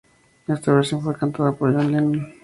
Esta versión fue cantada por John Lennon.